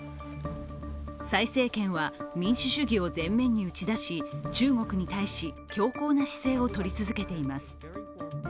蔡政権は民主主義を前面に打ち出し中国に対し、強硬な姿勢を取り続けています。